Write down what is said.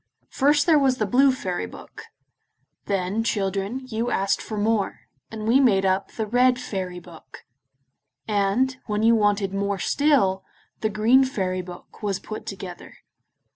First there was the Blue Fairy Book; then, children, you asked for more, and we made up the Red Fairy Book; and, when you wanted more still, the Green Fairy Book was put together.